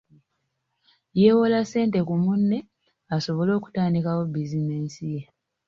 Yeewola ssente ku munne asobole okutandikawo bizinensi ye.